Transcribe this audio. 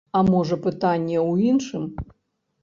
А можа, пытанне ў іншым?